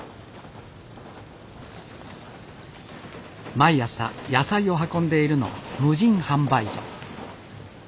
毎朝野菜を運んでいるのは無人販売所。